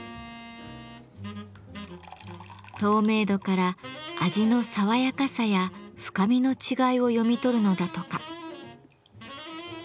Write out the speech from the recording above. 透明度から味の爽やかさや深みの違いを読み取るのだとか。